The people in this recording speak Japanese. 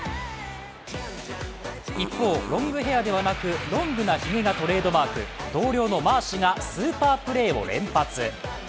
一方、ロングヘアではなくロングなひげがトレードマーク同僚のマーシュがスーパープレーを連発。